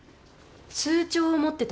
通帳を持ってたの？